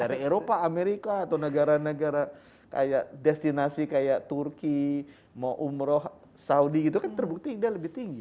dari eropa amerika atau negara negara kayak destinasi kayak turki mau umroh saudi gitu kan terbukti dia lebih tinggi